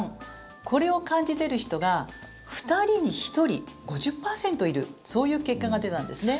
これを感じている人が２人に１人、５０％いるそういう結果が出たんですね。